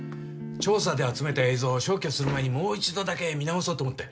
調査で集めた映像を消去する前にもう一度だけ見直そうと思って。